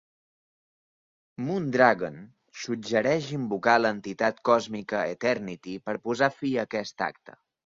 Moondragon suggereix invocar l'entitat còsmica Eternity per posar fi a aquest acte.